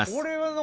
何？